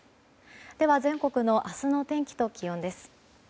では全国の明日のお天気と気温です。